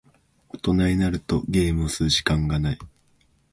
大人になるとゲームをする時間がない。